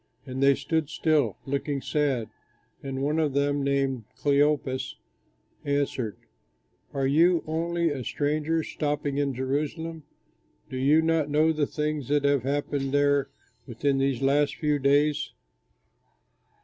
And they stood still, looking sad, and one of them, named Cleopas, answered, "Are you only a stranger stopping in Jerusalem? Do you not know the things that have happened there within these last few days?"